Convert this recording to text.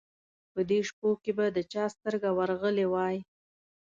په دې شپو کې به د چا سترګه ورغلې وای.